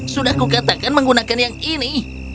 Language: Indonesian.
sudah kukatakan menggunakan yang ini